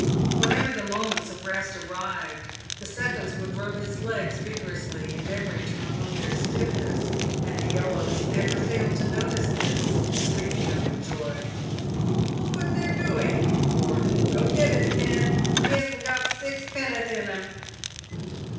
"Whenever the moments of rest arrived, the seconds would rub his legs vigorously, endeavouring to remove their stiffness, and the yellows never failed to notice this, screaming out with joy, " Look what they're doing !" or, " Go it, Ned ! he hasn't got sixpenn'orth in him."